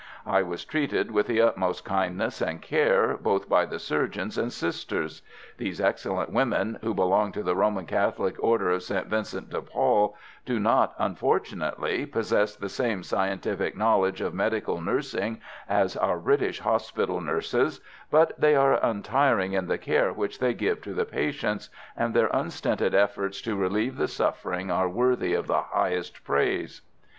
I was treated with the utmost kindness and care, both by the surgeons and Sisters. These excellent women, who belong to the Roman Catholic Order of "St Vincent de Paul," do not, unfortunately, possess the same scientific knowledge of medical nursing as our British hospital nurses, but they are untiring in the care which they give to the patients, and their unstinted efforts to relieve the suffering are worthy of the highest praise.